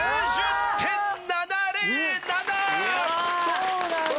そうなんだ。